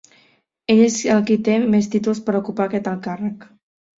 Ell és el qui té més títols per a ocupar aquest alt càrrec.